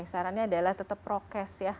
sarannya adalah tetap prokes ya